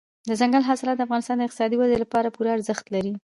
دځنګل حاصلات د افغانستان د اقتصادي ودې لپاره پوره ارزښت لري.